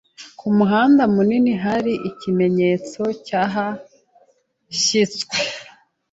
ku muhanda munini hari ikimenyetso cyahashyizwe